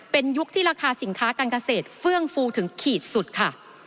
เป็นยุคที่ราคาสินค้าการเกษตรเฟื่องฟูถึงขีดสุดค่ะ